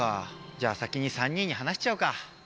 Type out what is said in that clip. じゃあ先に３人に話しちゃうか。